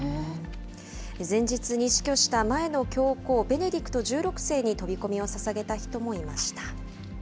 前日に死去した前の教皇、ベネディクト１６世に飛び込みをささげた人もいました。